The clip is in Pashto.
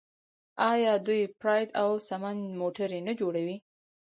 آیا دوی پراید او سمند موټرې نه جوړوي؟